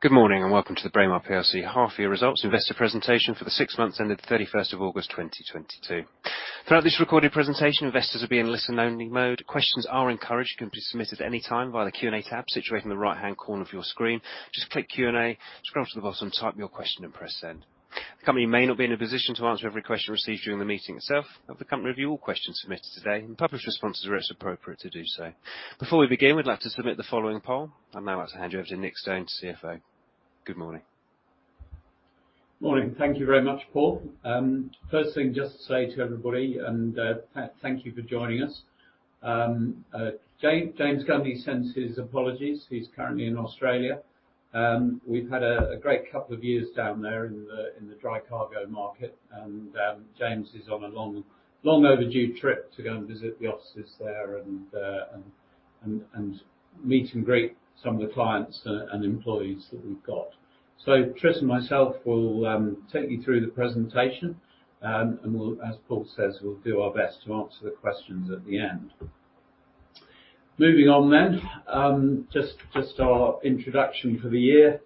Good morning, and welcome to the Braemar PLC half year results investor presentation for the six months ended the 31st of August, 2022. Throughout this recorded presentation, investors will be in listen only mode. Questions are encouraged, can be submitted any time via the Q&A tab situated in the right-hand corner of your screen. Just click Q&A, scroll to the bottom, type your question, and press Send. The company may not be in a position to answer every question received during the meeting itself, but the company review all questions submitted today and publish responses where it's appropriate to do so. Before we begin, we'd like to submit the following poll. I'd now like to hand you over to Nick Stone, CFO. Good morning. Morning. Thank you very much, Paul. First thing, just to say to everybody, thank you for joining us. James Gundy sends his apologies. He's currently in Australia. We've had a great couple of years down there in the dry cargo market, and James is on a long overdue trip to go and visit the offices there and meet and greet some of the clients and employees that we've got. Tris and myself will take you through the presentation, and we'll, as Paul says, do our best to answer the questions at the end. Moving on, just our introduction for the year.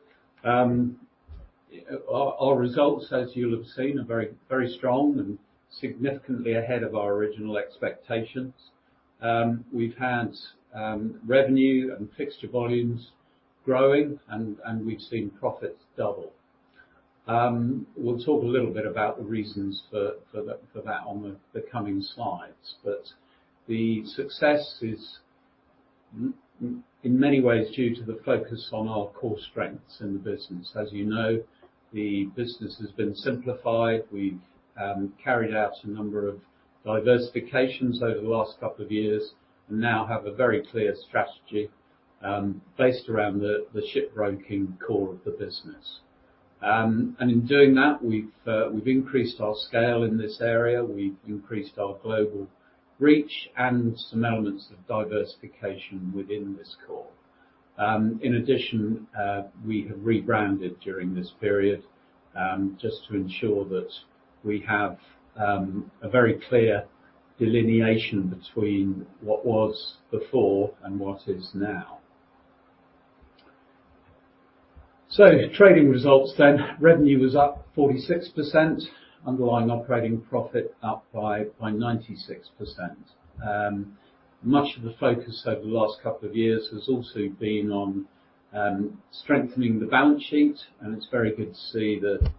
Our results, as you'll have seen, are very strong and significantly ahead of our original expectations. We've had revenue and fixture volumes growing, and we've seen profits double. We'll talk a little bit about the reasons for that on the coming slides. The success is in many ways due to the focus on our core strengths in the business. As you know, the business has been simplified. We've carried out a number of diversifications over the last couple of years and now have a very clear strategy based around the shipbroking core of the business. In doing that, we've increased our scale in this area. We've increased our global reach and some elements of diversification within this core. In addition, we have rebranded during this period just to ensure that we have a very clear delineation between what was before and what is now. Trading results then. Revenue was up 46%. Underlying operating profit up by 96%. Much of the focus over the last couple of years has also been on strengthening the balance sheet, and it's very good to see that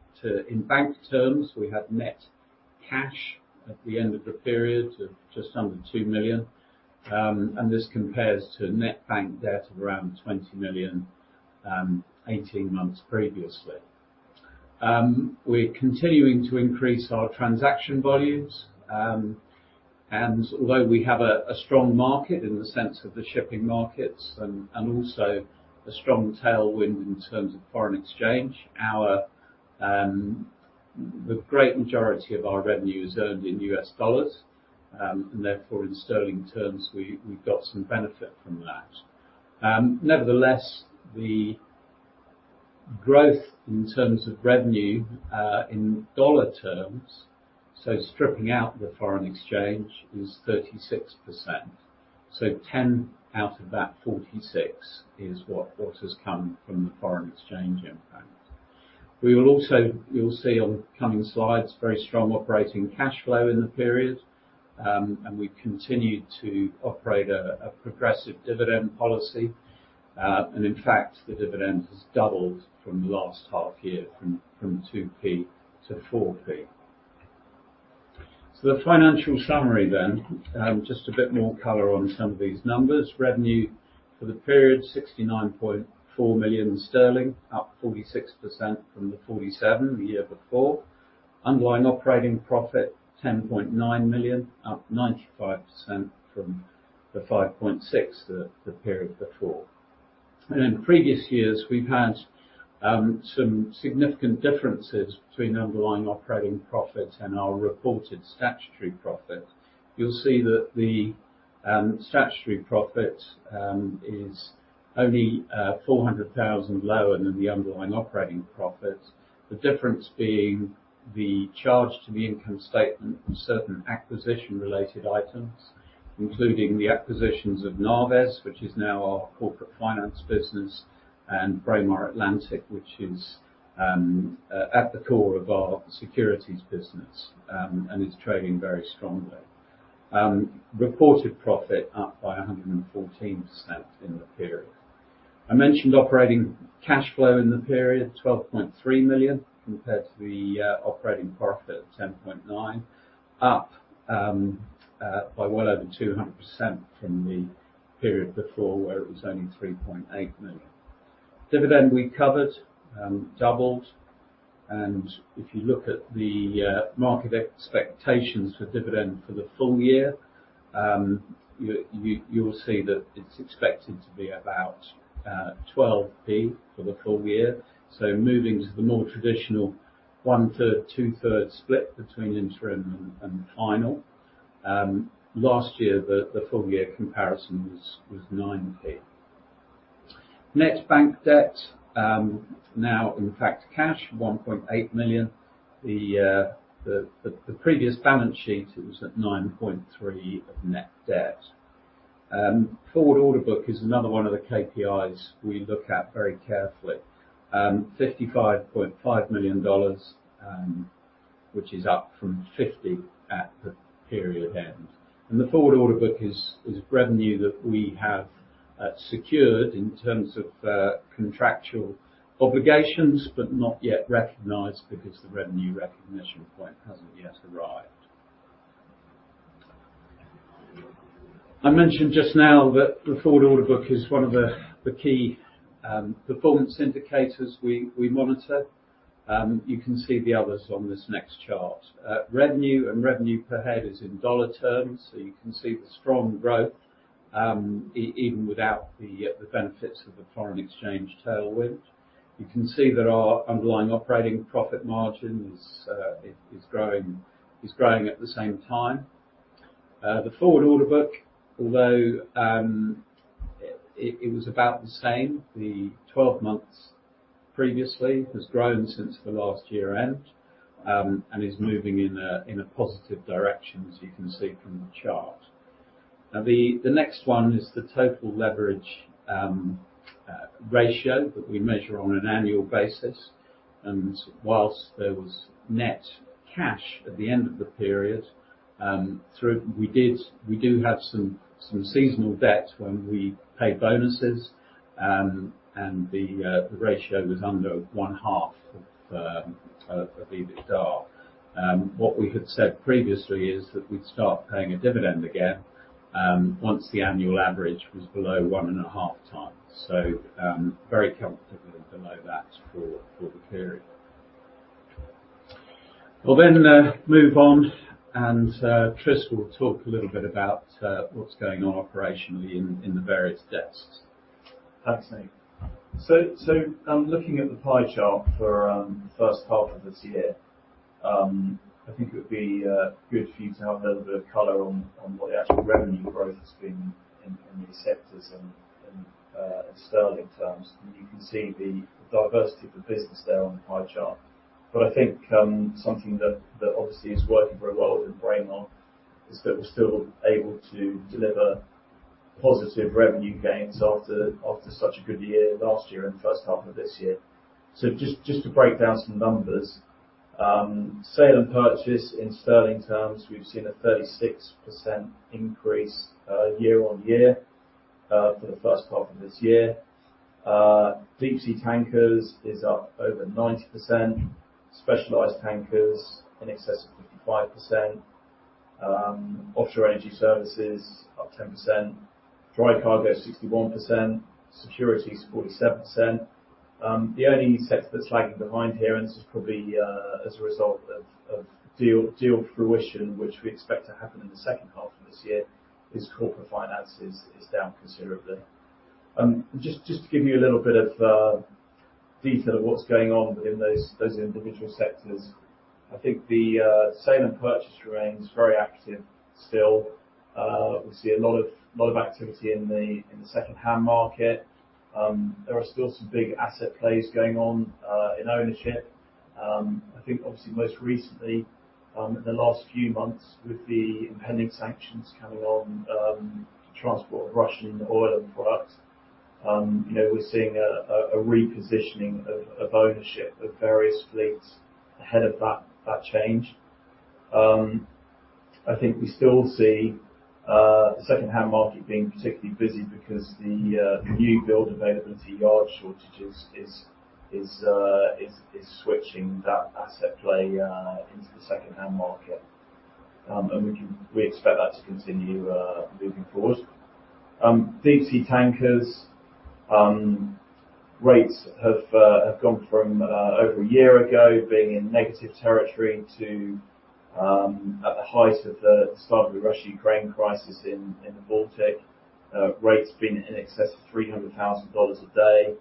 in bank terms, we have Net Cash at the end of the period of just under 2 million. This compares to net bank debt of around 20 million 18 months previously. We're continuing to increase our transaction volumes, and although we have a strong market in the sense of the shipping markets and also a strong tailwind in terms of foreign exchange, our, the great majority of our revenue is earned in U.S. dollars, and therefore in Sterling terms, we've got some benefit from that. Nevertheless, the growth in terms of revenue, in dollar terms, so stripping out the foreign exchange, is 36%. Ten out of that 46 is what has come from the foreign exchange impact. You'll see on the coming slides, very strong operating cash flow in the period, and we continue to operate a progressive dividend policy. In fact, the dividend has doubled from last half year from 2p to 4p. The financial summary then, just a bit more color on some of these numbers. Revenue for the period, 69.4 million sterling, up 46% from the 47 the year before. Underlying operating profit, 10.9 million, up 95% from the 5.6 the period before. In previous years, we've had some significant differences between underlying operating profit and our reported statutory profit. You'll see that the statutory profit is only 400,000 lower than the underlying operating profit. The difference being the charge to the income statement from certain acquisition-related items, including the acquisitions of NAVES, which is now our corporate finance business, and Braemar Atlantic, which is at the core of our securities business, and it's trading very strongly. Reported profit up by 114% in the period. I mentioned operating cash flow in the period, 12.3 million, compared to the operating profit of 10.9 million. Up by well over 200% from the period before where it was only 3.8 million. Dividend we covered doubled, and if you look at the market expectations for dividend for the full year, you'll see that it's expected to be about 12p for the full year. Moving to the more traditional one-third, two-third split between interim and final. Last year, the full year comparison was 9p. Net bank debt now in fact cash, 1.8 million. The previous balance sheet, it was at 9.3 million of net debt. Forward order book is another one of the KPIs we look at very carefully. $55.5 million, which is up from 50 at the period end. The forward order book is revenue that we have secured in terms of contractual obligations, but not yet recognized because the revenue recognition point hasn't yet arrived. I mentioned just now that the forward order book is one of the key performance indicators we monitor. You can see the others on this next chart. Revenue and revenue per head is in dollar terms, so you can see the strong growth, even without the benefits of the foreign exchange tailwind. You can see that our underlying operating profit margin is growing at the same time. The forward order book, although it was about the same, the 12 months previously has grown since the last year end, and is moving in a positive direction, as you can see from the chart. Now, the next one is the total leverage ratio that we measure on an annual basis. Whilst there was Net Cash at the end of the period, we do have some seasonal debt when we pay bonuses, and the ratio was under one half of EBITDA. What we had said previously is that we'd start paying a dividend again, once the annual average was below 1.5 times. Very comfortably below that for the period. We'll then move on and Tris will talk a little bit about what's going on operationally in the various desks. Thanks, Nick. Looking at the pie chart for the first half of this year, I think it would be good for you to have a little bit of color on what the actual revenue growth has been in Sterling terms. You can see the diversity of the business there on the pie chart. I think something that obviously is working very well with Braemar is that we're still able to deliver positive revenue gains after such a good year last year and the first half of this year. Just to break down some numbers. Sale and purchase in Sterling terms, we've seen a 36% increase year-over-year for the first half of this year. Deep Sea Tankers is up over 90%, specialized tankers in excess of 55%, offshore energy services up 10%, dry cargo 61%, securities 47%. The only sector that's lagging behind here, and this is probably as a result of deal fruition, which we expect to happen in the second half of this year, is corporate finance is down considerably. Just to give you a little bit of detail of what's going on in those individual sectors. I think the sale and purchase remains very active still. We see a lot of activity in the second-hand market. There are still some big asset plays going on in ownership. I think obviously most recently, in the last few months with the impending sanctions coming on transport of Russian oil and products, you know, we're seeing a repositioning of ownership of various fleets ahead of that change. I think we still see the second-hand market being particularly busy because the newbuild availability yard shortages is switching that asset play into the second-hand market. We expect that to continue moving forward. Deep Sea Tankers rates have gone from over a year ago being in negative territory to, at the height of the start of the Russia-Ukraine crisis in the Baltic, rates being in excess of $300,000 a day.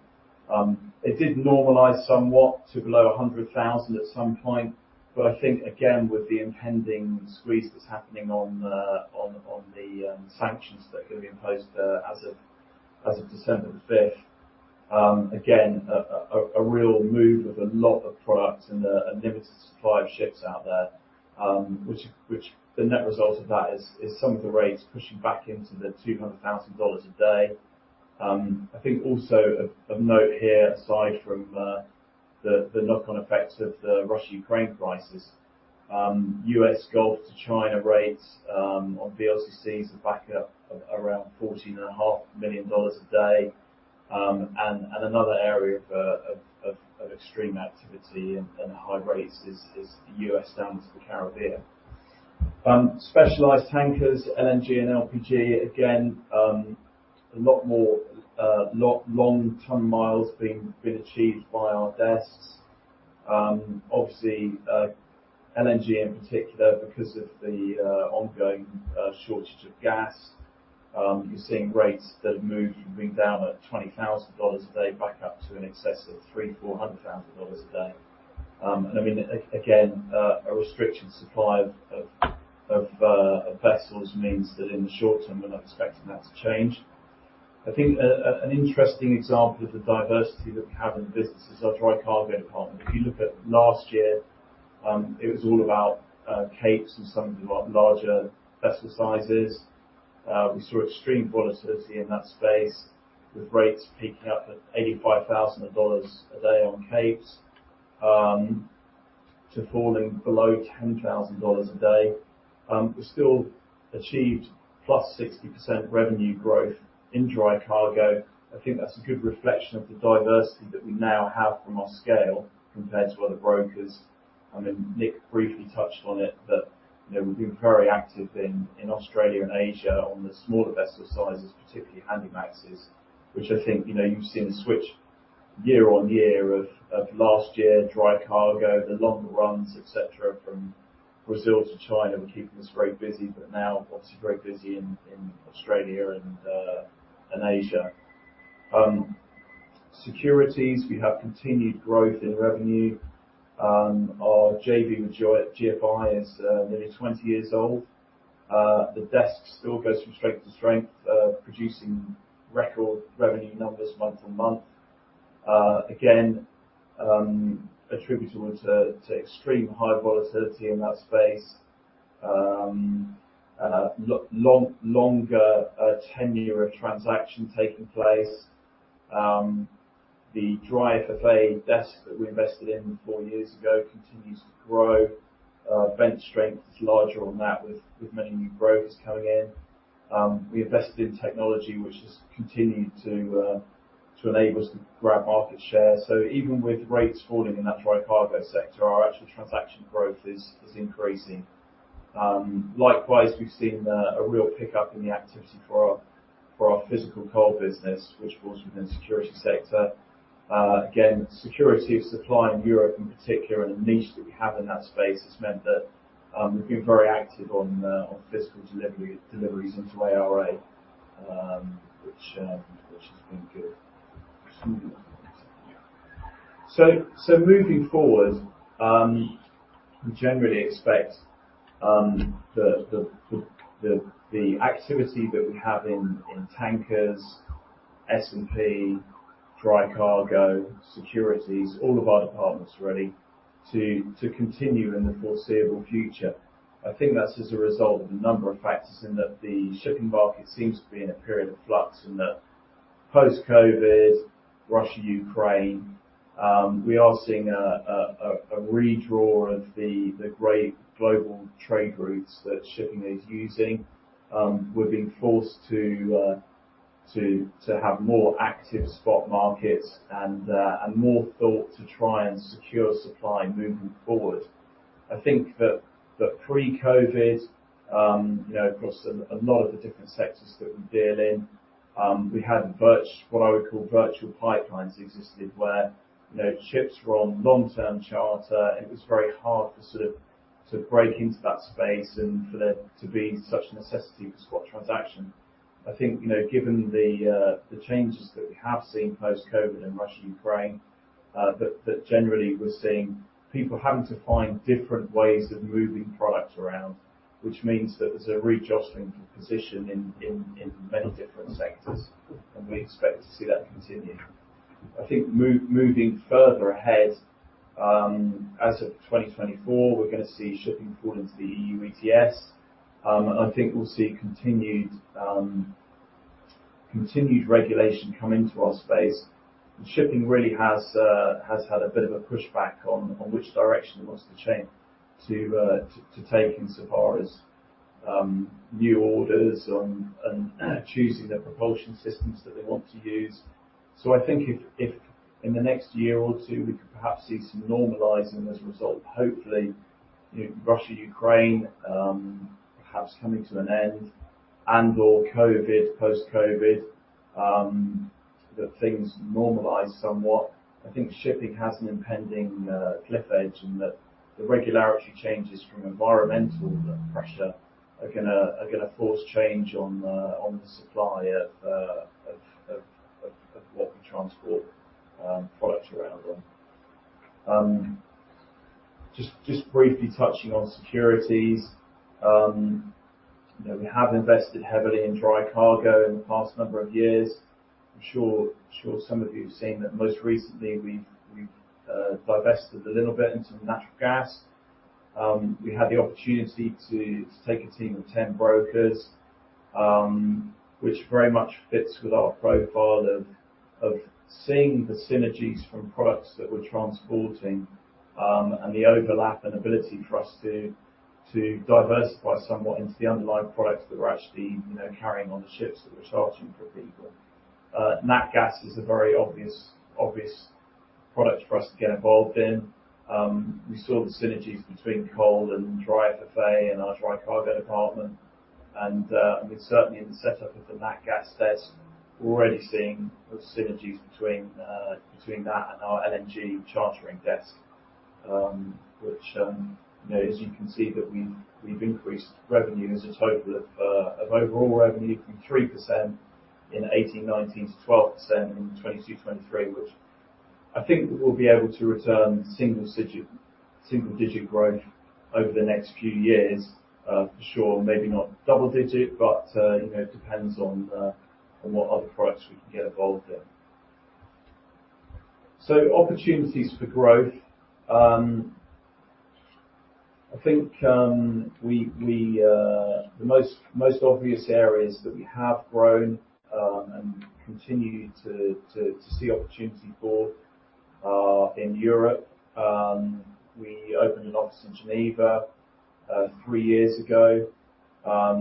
It did normalize somewhat to below $100,000 at some point, but I think again, with the impending squeeze that's happening on the sanctions that are gonna be imposed as of December the fifth, again, a real move of a lot of products and a limited supply of ships out there, which the net result of that is some of the rates pushing back into the $200,000 a day. I think also of note here, aside from the knock-on effects of the Russia-Ukraine crisis, U.S. Gulf to China rates on VLCCs are back up around $14.5 million a day. Another area of extreme activity and high rates is the U.S. down to the Caribbean. Specialized tankers, LNG and LPG, again, a lot more long ton-miles being achieved by our desks. Obviously, LNG in particular because of the ongoing shortage of gas. You're seeing rates that have moved, you know, being down at $20,000 a day back up to in excess of $300,000-$400,000 a day. I mean, again, a restricted supply of vessels means that in the short term, we're not expecting that to change. I think an interesting example of the diversity that we have in the business is our dry cargo department. If you look at last year, it was all about Capes and some of the larger vessel sizes. We saw extreme volatility in that space with rates peaking at $85,000 a day on Capes to falling below $10,000 a day. We still achieved +60% revenue growth in dry cargo. I think that's a good reflection of the diversity that we now have from our scale compared to other brokers. I mean, Nick briefly touched on it, but you know, we've been very active in Australia and Asia on the smaller vessel sizes, particularly Handymaxes, which I think you know, you've seen a switch year on year of last year dry cargo, the longer runs, et cetera, from Brazil to China, were keeping us very busy. Now obviously very busy in Australia and Asia. Securities, we have continued growth in revenue. Our JV with GFI is nearly 20 years old. The desk still goes from strength to strength, producing record revenue numbers month on month. Again, attributable to extremely high volatility in that space, longer tenor of transactions taking place. The dry FFA desk that we invested in four years ago continues to grow. Bench strength is larger on that with many new brokers coming in. We invested in technology which has continued to enable us to grab market share. Even with rates falling in that dry cargo sector, our actual transaction growth is increasing. Likewise, we've seen a real pickup in the activity for our physical coal business, which falls within the securities sector. Again, security of supply in Europe in particular, and the niche that we have in that space has meant that we've been very active on physical delivery, deliveries into ARA, which has been good. Moving forward, we generally expect the activity that we have in tankers, S&P, dry cargo, securities, all of our departments really, to continue in the foreseeable future. I think that's as a result of a number of factors in that the shipping market seems to be in a period of flux in that post-COVID, Russia, Ukraine, we are seeing a redraw of the great global trade routes that shipping is using. We're being forced to have more active spot markets and more thought to try and secure supply moving forward. I think that pre-COVID, you know, across a lot of the different sectors that we deal in, we had what I would call virtual pipelines existed where, you know, ships were on long-term charter. It was very hard to sort of break into that space and for there to be such necessity for spot transaction. I think, you know, given the changes that we have seen post-COVID and Russia, Ukraine, that generally we're seeing people having to find different ways of moving products around, which means that there's a jostling for position in many different sectors, and we expect to see that continue. I think, moving further ahead, as of 2024, we're gonna see shipping fall into the EU ETS. I think we'll see continued regulation come into our space. Shipping really has had a bit of a push back on which direction it wants to change to take in so far as new orders on, and choosing the propulsion systems that they want to use. I think if in the next year or two, we could perhaps see some normalizing as a result, hopefully, you know, Russia, Ukraine, perhaps coming to an end and/or COVID, post-COVID, that things normalize somewhat. I think shipping has an impending cliff edge, and that the regulatory changes from environmental pressure are gonna force change on the supply of what we transport products around them. Just briefly touching on securities. You know, we have invested heavily in dry cargo in the past number of years. I'm sure some of you have seen that most recently we've divested a little bit into natural gas. We had the opportunity to take a team of 10 brokers, which very much fits with our profile of seeing the synergies from products that we're transporting, and the overlap and ability for us to diversify somewhat into the underlying products that we're actually, you know, carrying on the ships that we're chartering for people. Nat gas is a very obvious product for us to get involved in. We saw the synergies between coal and dry FFA and our dry cargo department and, I mean, certainly in the setup of the nat gas desk, we're already seeing the synergies between that and our LNG chartering desk, which, you know, as you can see that we've increased revenue as a total of overall revenue from 3% in 2018-2019 to 12% in 2022-2023, which I think we'll be able to return single-digit growth over the next few years, for sure. Maybe not double digit, but, you know, it depends on what other products we can get involved in. Opportunities for growth. I think the most obvious areas that we have grown and continue to see opportunity for are in Europe. We opened an office in Geneva three years ago. I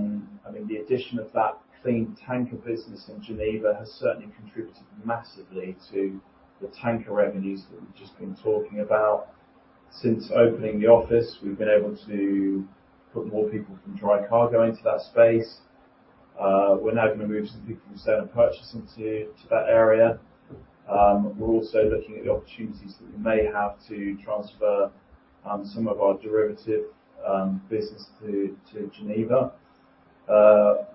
mean, the addition of that clean tanker business in Geneva has certainly contributed massively to the tanker revenues that we've just been talking about. Since opening the office, we've been able to put more people from dry cargo into that space. We're now gonna move some people from sale and purchase into that area. We're also looking at the opportunities that we may have to transfer some of our derivative business to Geneva.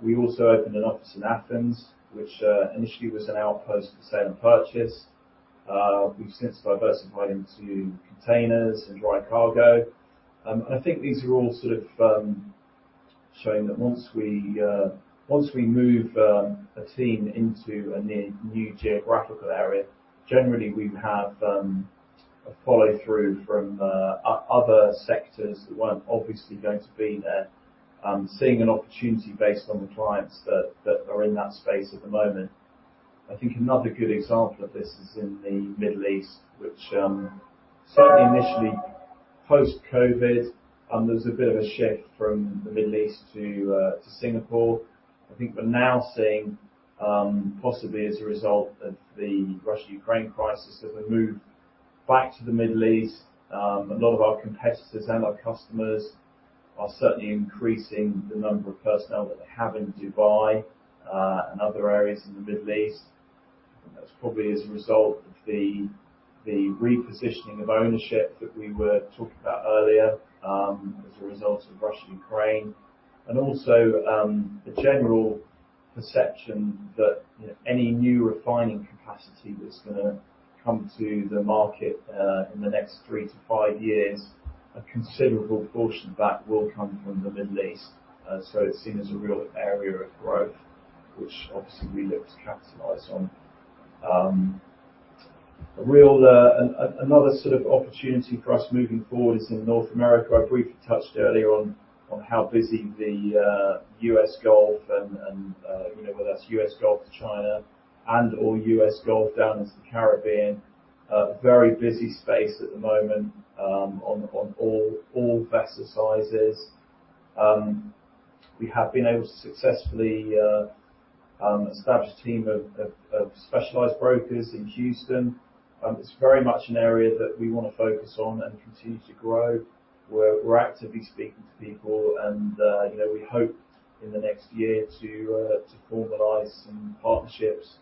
We also opened an office in Athens, which initially was an outpost for sale and purchase. We've since diversified into containers and dry cargo. I think these are all sort of showing that once we move a team into a new geographical area, generally we have a follow-through from other sectors that weren't obviously going to be there, seeing an opportunity based on the clients that are in that space at the moment. I think another good example of this is in the Middle East, which certainly initially post-COVID, there's a bit of a shift from the Middle East to Singapore. I think we're now seeing possibly as a result of the Russia-Ukraine crisis, that we've moved back to the Middle East. A lot of our competitors and our customers are certainly increasing the number of personnel that they have in Dubai and other areas in the Middle East. That's probably as a result of the repositioning of ownership that we were talking about earlier, as a result of Russia and Ukraine. Also, the general perception that, you know, any new refining capacity that's gonna come to the market, in the next three to five years, a considerable portion of that will come from the Middle East. So it's seen as a real area of growth, which obviously we look to capitalize on. A real another sort of opportunity for us moving forward is in North America. I briefly touched earlier on how busy the U.S. Gulf and, you know, whether that's U.S. Gulf to China and/or U.S. Gulf down into the Caribbean, a very busy space at the moment, on all vessel sizes. We have been able to successfully establish a team of specialized brokers in Houston. It's very much an area that we wanna focus on and continue to grow. We're actively speaking to people and, you know, we hope in the next year to formalize some partnerships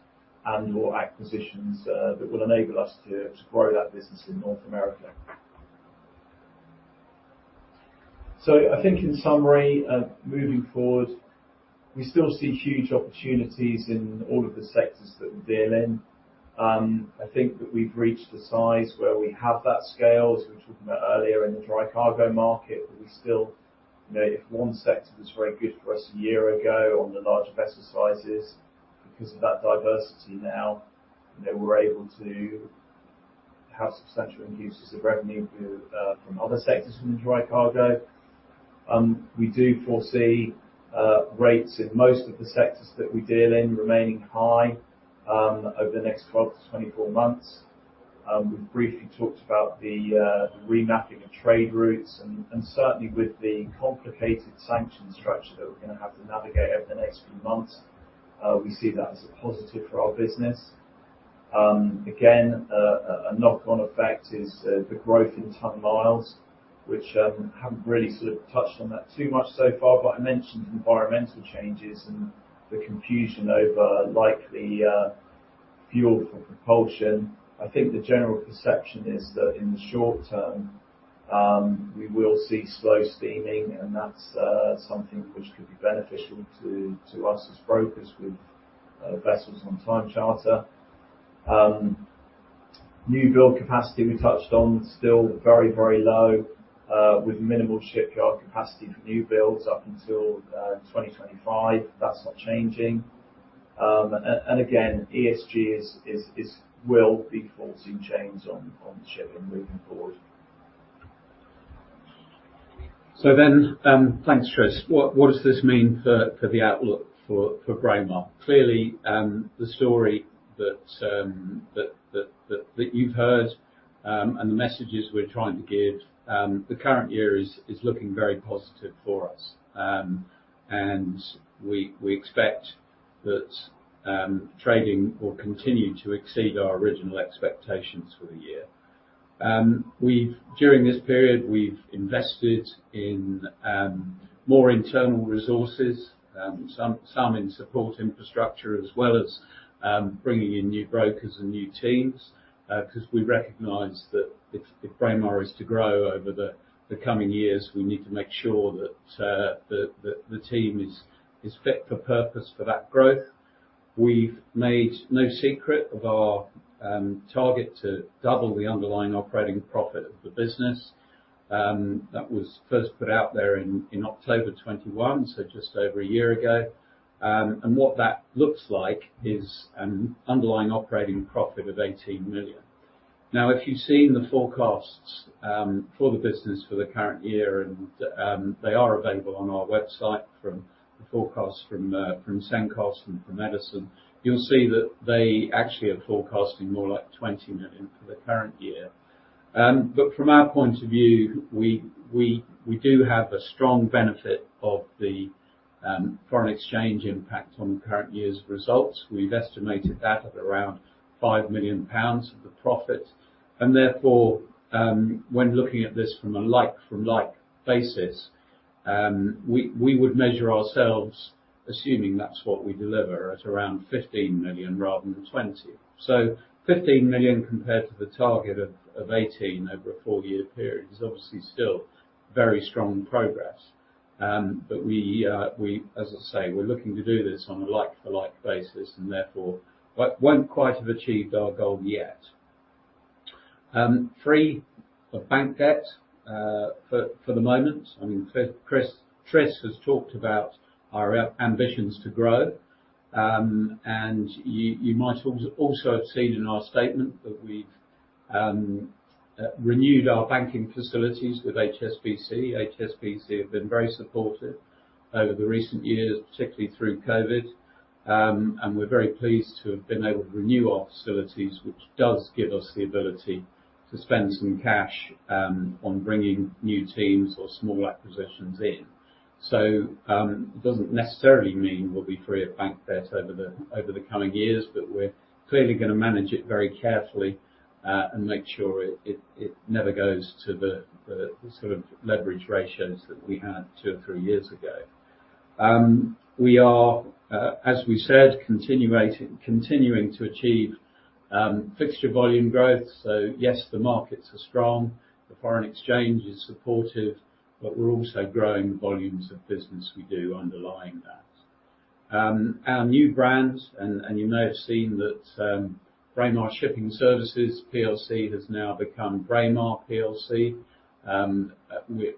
and/or acquisitions that will enable us to grow that business in North America. I think in summary, moving forward, we still see huge opportunities in all of the sectors that we deal in. I think that we've reached the size where we have that scale, as we were talking about earlier in the dry cargo market, that we still. You know, if one sector was very good for us a year ago on the larger vessel sizes, because of that diversity now, you know, we're able to have substantial increases of revenue through from other sectors from the dry cargo. We do foresee rates in most of the sectors that we deal in remaining high over the next 12-24 months. We've briefly talked about the remapping of trade routes and certainly with the complicated sanctions structure that we're gonna have to navigate over the next few months, we see that as a positive for our business. Again, a knock-on effect is the growth in ton-miles, which haven't really sort of touched on that too much so far, but I mentioned environmental changes and the confusion over likely fuel for propulsion. I think the general perception is that in the short term, we will see slow steaming, and that's something which could be beneficial to us as brokers with vessels on time charter. New build capacity we touched on, still very, very low, with minimal shipyard capacity for new builds up until 2025. That's not changing. Again, ESG will be forcing change on shipping moving forward. Thanks, Tris. What does this mean for the outlook for Braemar? Clearly, the story that you've heard and the messages we're trying to give, the current year is looking very positive for us. We expect that trading will continue to exceed our original expectations for the year. We've invested in more internal resources, some in support infrastructure, as well as bringing in new brokers and new teams, 'cause we recognize that if Braemar is to grow over the coming years, we need to make sure that the team is fit for purpose for that growth. We've made no secret of our target to double the underlying operating profit of the business that was first put out there in October 2021, so just over a year ago. What that looks like is an underlying operating profit of 18 million. Now, if you've seen the forecasts for the business for the current year and they are available on our website from the forecasts from Stifel and from Edison, you'll see that they actually are forecasting more like 20 million for the current year. From our point of view, we do have a strong benefit of the foreign exchange impact on the current year's results. We've estimated that at around 5 million pounds of the profit. When looking at this from a like-for-like basis, we would measure ourselves assuming that's what we deliver at around 15 million rather than 20 million. 15 million compared to the target of 18 over a four-year period is obviously still very strong progress. We, as I say, we're looking to do this on a like-for-like basis and therefore won't quite have achieved our goal yet. Free of bank debt, for the moment. I mean, Tris has talked about our ambitions to grow. You might also have seen in our statement that we've renewed our banking facilities with HSBC. HSBC have been very supportive over the recent years, particularly through COVID. We're very pleased to have been able to renew our facilities, which does give us the ability to spend some cash on bringing new teams or small acquisitions in. It doesn't necessarily mean we'll be free of bank debt over the coming years, but we're clearly gonna manage it very carefully and make sure it never goes to the sort of leverage ratios that we had two or three years ago. We are, as we said, continuing to achieve fixture volume growth. Yes, the markets are strong, the foreign exchange is supportive, but we're also growing the volumes of business we do underlying that. Our new brands, and you may have seen that, Braemar Shipping Services Plc has now become Braemar Plc,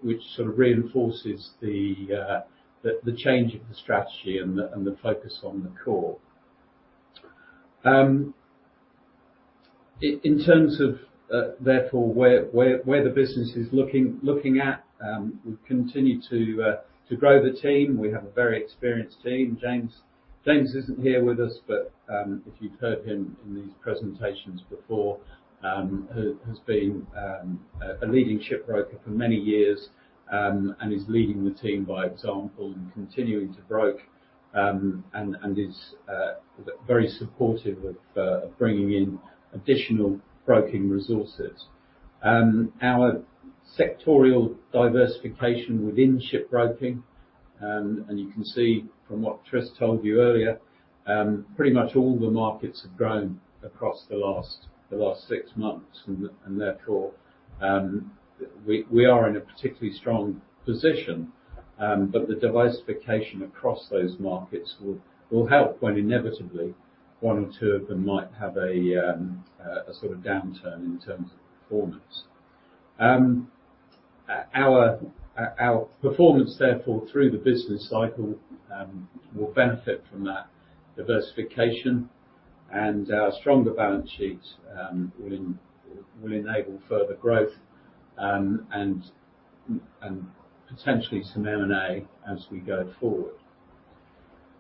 which sort of reinforces the change of the strategy and the focus on the core. In terms of therefore, where the business is looking at, we continue to grow the team. We have a very experienced team. James isn't here with us, but if you've heard him in these presentations before, has been a leading shipbroker for many years, and is leading the team by example and continuing to broker, and is very supportive of bringing in additional broking resources. Our sectoral diversification within shipbroking, and you can see from what Tris told you earlier, pretty much all the markets have grown across the last six months and therefore we are in a particularly strong position. But the diversification across those markets will help when inevitably one or two of them might have a sort of downturn in terms of performance. Our performance therefore through the business cycle will benefit from that diversification and our stronger balance sheets will enable further growth, and potentially some M&A as we go forward.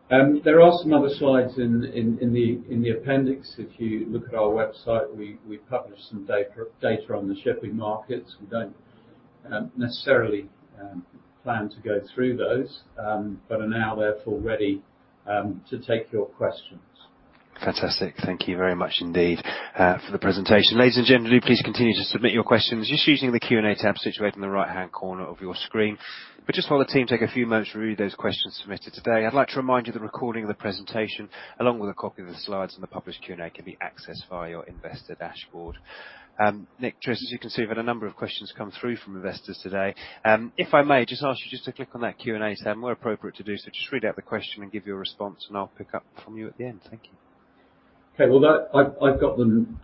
There are some other slides in the appendix. If you look at our website, we publish some data on the shipping markets. We don't necessarily plan to go through those, but are now therefore ready to take your questions. Fantastic. Thank you very much indeed for the presentation. Ladies and gentlemen, will you please continue to submit your questions just using the Q&A tab situated in the right-hand corner of your screen. Just while the team take a few moments to review those questions submitted today, I'd like to remind you the recording of the presentation, along with a copy of the slides and the published Q&A, can be accessed via your investor dashboard. Nick, Tris, as you can see, we've had a number of questions come through from investors today. If I may just ask you just to click on that Q&A tab, and where appropriate to do so, just read out the question and give your response, and I'll pick up from you at the end. Thank you. Okay. Well, I've got them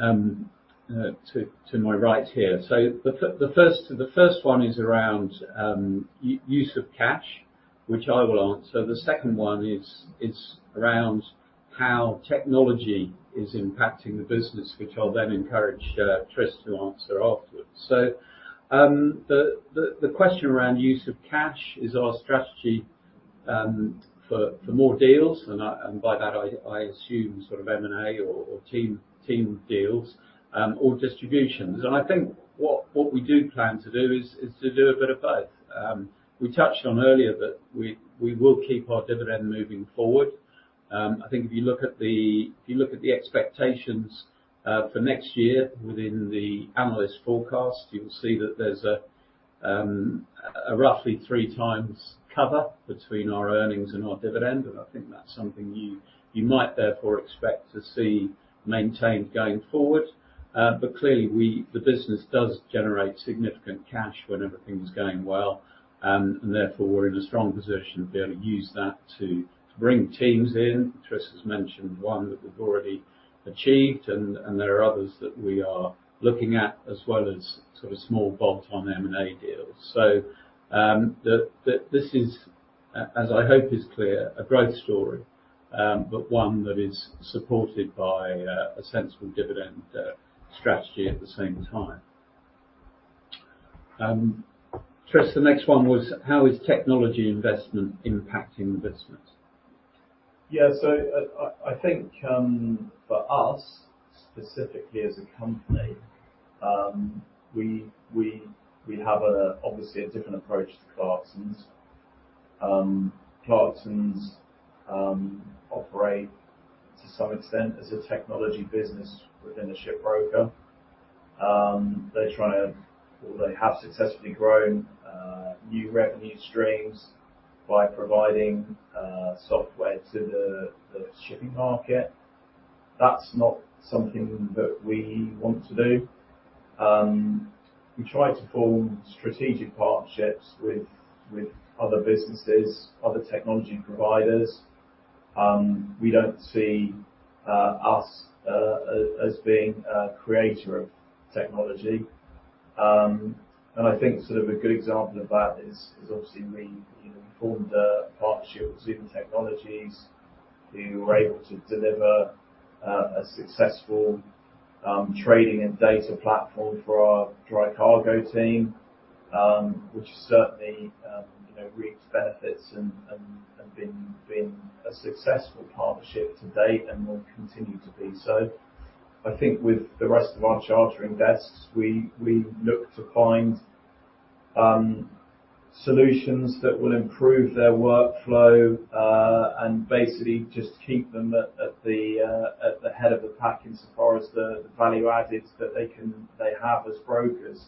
to my right here. So the first one is around use of cash, which I will answer. The second one is around how technology is impacting the business, which I'll then encourage Tris to answer afterwards. So the question around use of cash is our strategy for more deals, and by that, I assume sort of M&A or team deals or distributions. I think what we do plan to do is to do a bit of both. We touched on earlier that we will keep our dividend moving forward. I think if you look at the expectations for next year within the analyst forecast, you'll see that there's a roughly three times cover between our earnings and our dividend, and I think that's something you might therefore expect to see maintained going forward. Clearly we, the business does generate significant cash when everything's going well. Therefore, we're in a strong position to be able to use that to bring teams in. Tris has mentioned one that we've already achieved, and there are others that we are looking at, as well as sort of small bolt-on M&A deals. This is, as I hope is clear, a growth story, but one that is supported by a sensible dividend strategy at the same time. Tris, the next one was, how is technology investment impacting the business? I think for us, specifically as a company, we have obviously a different approach to Clarksons. Clarksons operate to some extent as a technology business within a shipbroker. They have successfully grown new revenue streams by providing software to the shipping market. That's not something that we want to do. We try to form strategic partnerships with other businesses, other technology providers. We don't see us as being a creator of technology. I think sort of a good example of that is obviously we you know formed a partnership with Zoom Technologies, who were able to deliver a successful trading and data platform for our dry cargo team, which certainly you know reaps benefits and been a successful partnership to date and will continue to be so. I think with the rest of our chartering desks, we look to find solutions that will improve their workflow and basically just keep them at the head of the pack in so far as the value adds that they have as brokers,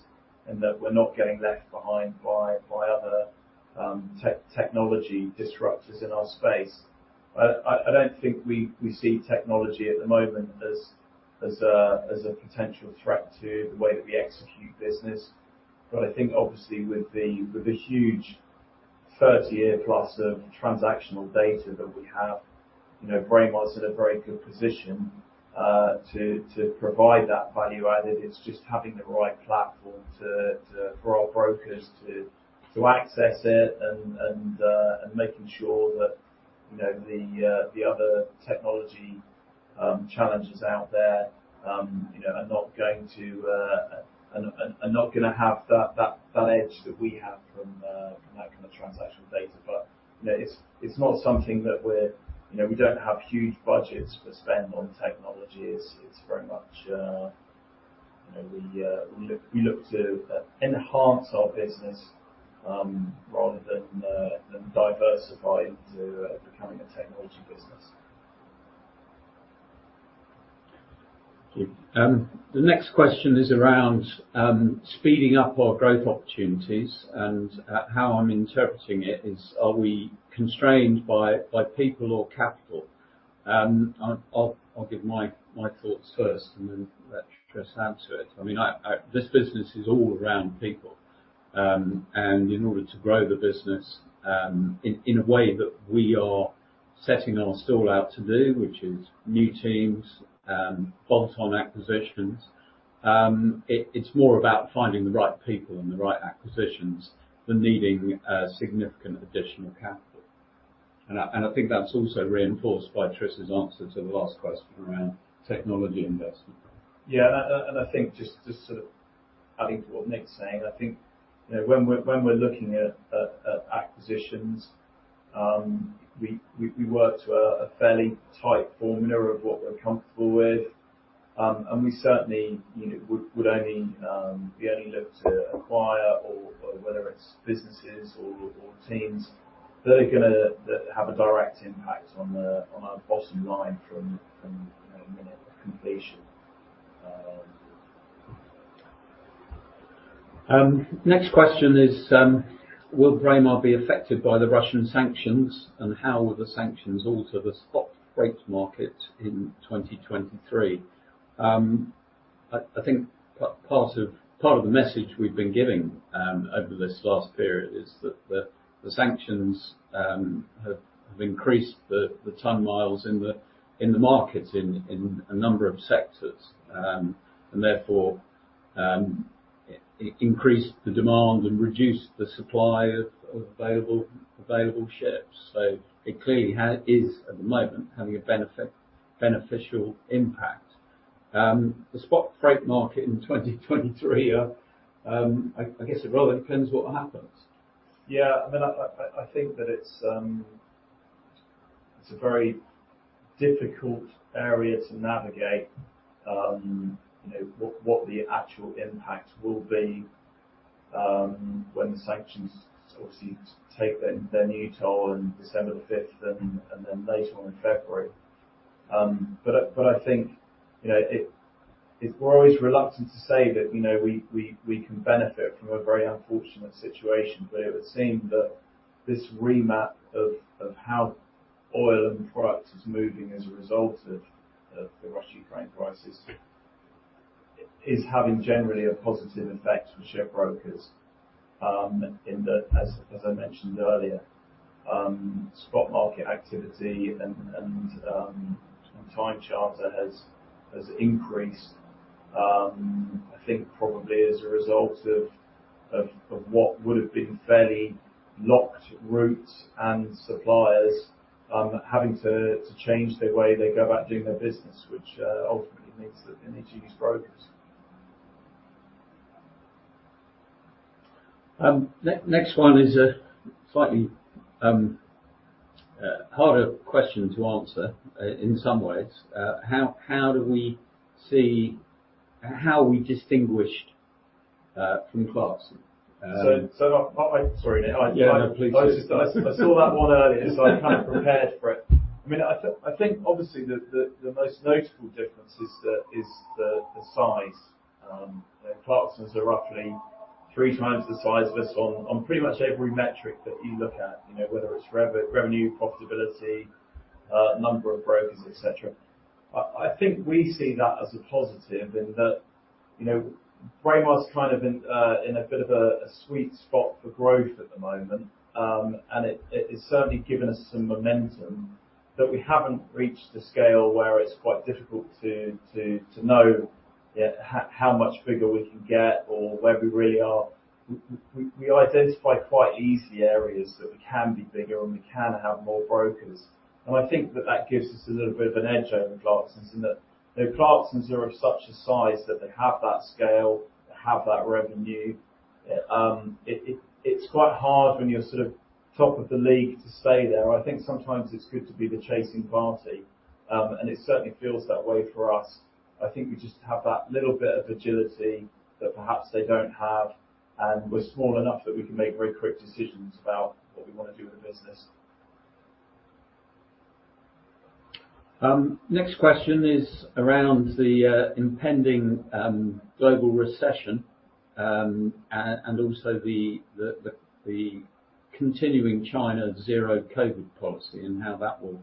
and that we're not getting left behind by other technology disruptors in our space. I don't think we see technology at the moment as a potential threat to the way that we execute business. I think obviously with the huge 30-year plus of transactional data that we have, you know, Braemar is in a very good position to provide that value added. It's just having the right platform for our brokers to access it and making sure that, you know, the other technology challenges out there, you know, are not gonna have that edge that we have from that kind of transactional data. You know, it's not something that we're, you know, we don't have huge budgets for spend on technology. It's very much, you know, we look to enhance our business, rather than diversify into becoming a technology business. Thank you. The next question is around speeding up our growth opportunities, and how I'm interpreting it is, are we constrained by people or capital? I'll give my thoughts first and then let Tris answer it. I mean, this business is all around people. In order to grow the business, in a way that we are setting our stall out to do, which is new teams, bolt-on acquisitions, it's more about finding the right people and the right acquisitions than needing a significant additional capital. I think that's also reinforced by Tris' answer to the last question around technology investment. Yeah. I think just sort of adding to what Nick's saying, I think, you know, when we're looking at acquisitions, we work to a fairly tight formula of what we're comfortable with. We certainly, you know, would only look to acquire or whether it's businesses or teams that have a direct impact on our bottom line from, you know, minute of completion. Next question is, will Braemar be affected by the Russian sanctions, and how will the sanctions alter the spot freight market in 2023? I think part of the message we've been giving over this last period is that the sanctions have increased the ton-miles in the markets in a number of sectors. Therefore, it increased the demand and reduced the supply of available ships. It clearly is at the moment having a beneficial impact. The spot freight market in 2023, I guess it rather depends what happens. Yeah. I mean, I think that it's a very difficult area to navigate, you know, what the actual impact will be, when the sanctions obviously take their new toll on December the fifth and then later on in February. I think, you know, we're always reluctant to say that, you know, we can benefit from a very unfortunate situation. It would seem that this remap of how oil and products is moving as a result of the Russia-Ukraine crisis. is having generally a positive effect for shipbrokers, in that, as I mentioned earlier, spot market activity and time charter has increased. I think probably as a result of what would've been fairly locked routes and suppliers having to change the way they go about doing their business, which ultimately means that they need to use brokers. Next one is a slightly harder question to answer in some ways. How are we distinguished from Clarksons? Sorry, Nick. Yeah, no. Please do. I just saw that one earlier, so I kind of prepared for it. I mean, I think obviously the most notable difference is the size. You know, Clarksons are roughly three times the size of us on pretty much every metric that you look at, you know, whether it's revenue, profitability, number of brokers, et cetera. I think we see that as a positive in that, you know, Braemar's kind of in a bit of a sweet spot for growth at the moment. It has certainly given us some momentum that we haven't reached the scale where it's quite difficult to know how much bigger we can get or where we really are. We identify quite easily areas that we can be bigger and we can have more brokers, and I think that gives us a little bit of an edge over Clarksons in that, you know, Clarksons are of such a size that they have that scale, they have that revenue. It's quite hard when you're sort of top of the league to stay there. I think sometimes it's good to be the chasing party. It certainly feels that way for us. I think we just have that little bit of agility that perhaps they don't have, and we're small enough that we can make very quick decisions about what we wanna do with the business. Next question is around the impending global recession and also the continuing China zero COVID policy and how that will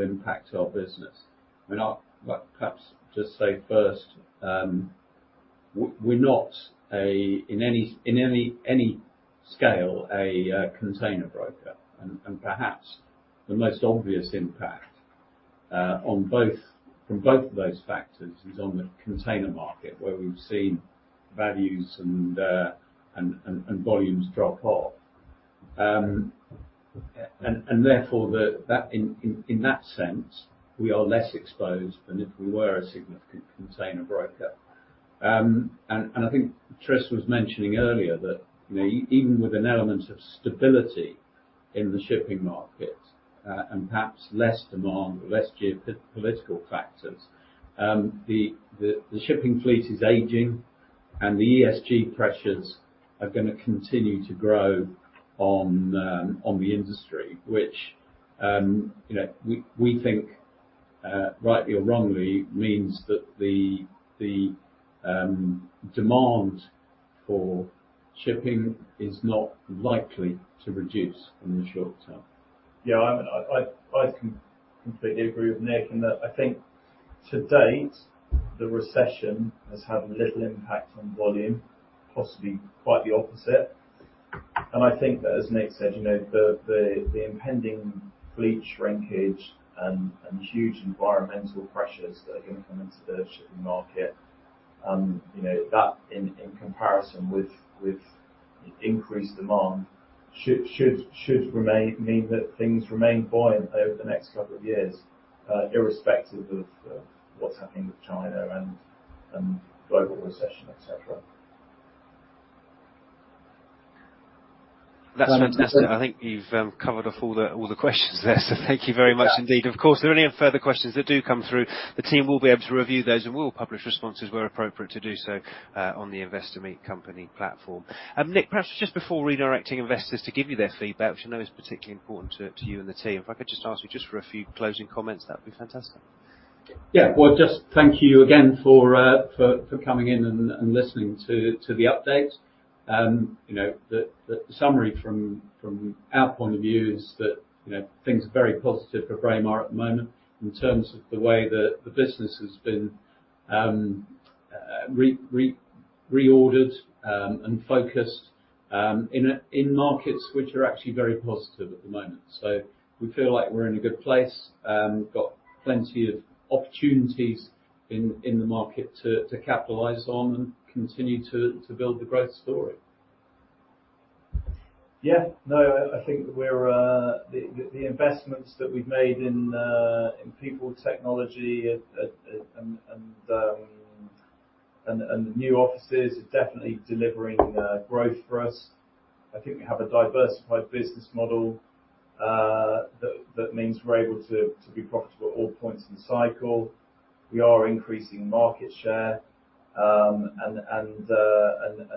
impact our business. I mean, I'll perhaps just say first, we're not a container broker in any scale. Perhaps the most obvious impact from both of those factors is on the container market, where we've seen values and volumes drop off. Therefore that, in that sense, we are less exposed than if we were a significant container broker. I think Tris was mentioning earlier that, you know, even with an element of stability in the shipping market, and perhaps less demand or less geopolitical factors, the shipping fleet is aging and the ESG pressures are gonna continue to grow on the industry, which, you know, we think, rightly or wrongly, means that the demand for shipping is not likely to reduce in the short term. Yeah. I completely agree with Nick in that I think to date, the recession has had little impact on volume, possibly quite the opposite. I think that, as Nick said, you know, the impending fleet shrinkage and huge environmental pressures that are gonna come into the shipping market, you know, that in comparison with increased demand should mean that things remain buoyant over the next couple of years, irrespective of what's happening with China and global recession, et cetera. That's fantastic. I think you've covered off all the questions there, so thank you very much indeed. Of course, if there are any further questions that do come through, the team will be able to review those and will publish responses where appropriate to do so, on the Investor Meet Company platform. Nick, perhaps just before redirecting investors to give you their feedback, which I know is particularly important to you and the team, if I could just ask you for a few closing comments, that'd be fantastic. Yeah. Well, just thank you again for coming in and listening to the update. You know, the summary from our point of view is that, you know, things are very positive for Braemar at the moment in terms of the way that the business has been reordered and focused in markets which are actually very positive at the moment. We feel like we're in a good place. We've got plenty of opportunities in the market to capitalize on and continue to build the growth story. Yeah. No, I think the investments that we've made in people, technology, and new offices are definitely delivering growth for us. I think we have a diversified business model that means we're able to be profitable at all points in the cycle. We are increasing market share.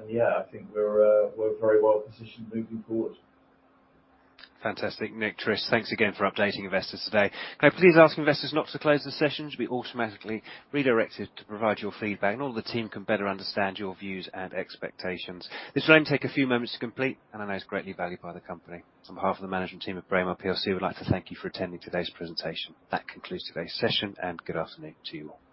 Yeah, I think we're very well positioned moving forward. Fantastic. Nick, Tris, thanks again for updating investors today. Can I please ask investors not to close the session. You should be automatically redirected to provide your feedback and all the team can better understand your views and expectations. This will only take a few moments to complete and I know it's greatly valued by the company. On behalf of the management team at Braemar Plc, we would like to thank you for attending today's presentation. That concludes today's session, and good afternoon to you all.